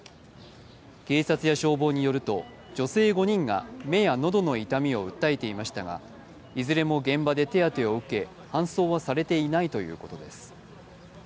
警察や消防によると女性５人が目や喉の痛みを訴えていましたが、いずれも現場で手当てを受け、搬送はされていないということです。